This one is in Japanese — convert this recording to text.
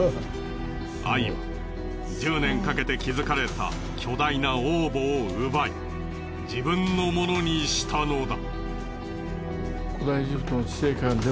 アイは１０年かけて築かれた巨大な王墓を奪い自分のものにしたのだ。